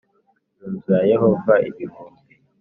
mu nzu ya Yehova ibihumbi